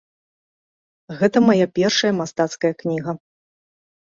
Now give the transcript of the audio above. Гэта мая першая мастацкая кніга.